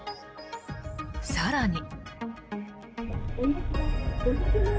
更に。